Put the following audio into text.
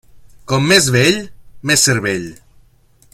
Com més vell, més cervell.